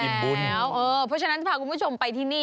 เพราะฉะนั้นพาคุณผู้ชมไปที่นี่